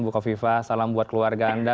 bu kofifa salam buat keluarga anda